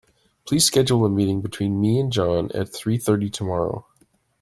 Please schedule a meeting between me and John at three thirty tomorrow.